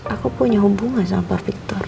aku punya hubungan sama victor